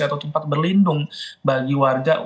atau tempat berlindung bagi warga